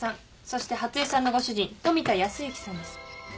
そして初枝さんのご主人富田康行さんです。